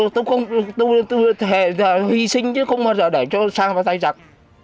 tôi thề hy sinh chứ không bao giờ để cho sang và tay giặc